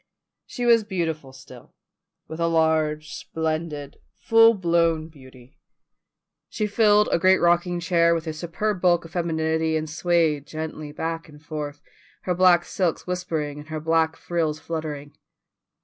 She was beautiful still, with a large, splendid, full blown beauty; she filled a great rocking chair with her superb bulk of femininity, and swayed gently back and forth, her black silks whispering and her black frills fluttering.